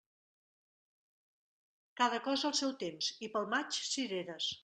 Cada cosa al seu temps, i pel maig, cireres.